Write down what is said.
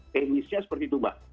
teknisnya seperti itu mbak